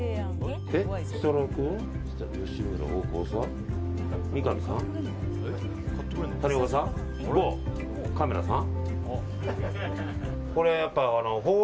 設楽君、吉村、大久保さん三上さん、谷岡さん、カメラさん。